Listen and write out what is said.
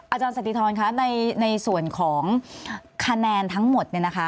อาจารย์สัตยธรณในส่วนของคะแนนทั้งหมด